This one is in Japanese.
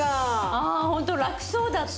ああホントラクそうだった。